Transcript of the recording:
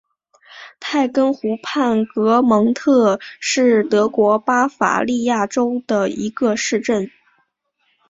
泰根湖畔格蒙特是德国巴伐利亚州的一个市镇。